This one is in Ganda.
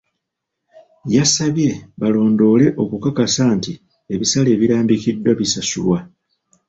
Yabasabye balondoole okukakasa nti ebisale ebirambikiddwa bisasulwa.